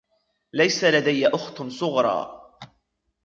ليس لدي أخت صغرى.